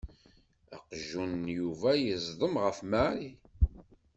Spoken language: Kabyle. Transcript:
Aqjun n Yuba yeẓḍem f Mary.